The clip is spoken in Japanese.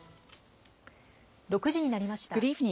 ６時になりました。